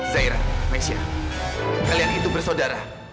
zaira mesya kalian itu bersaudara